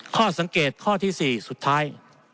ข้อสังเกตข้อที่๔สุดท้าย